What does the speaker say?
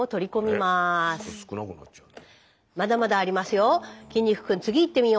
まだまだありますよ。